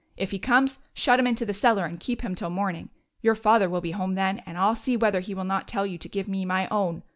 If he comes, shut him into the cellar and keep him till the morning. Your father will be home then, and I 'll see whether he will not tell you to give me my own.